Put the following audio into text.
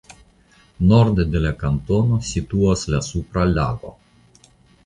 Norde de la kantono situas la Supra Lago.